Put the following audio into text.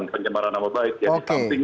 penyemaran nama baik jadi